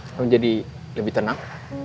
kamu jadi lebih tenang